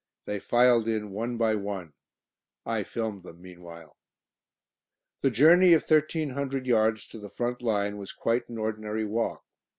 They filed in one by one; I filmed them meanwhile. The journey of thirteen hundred yards to the front line was quite an ordinary walk.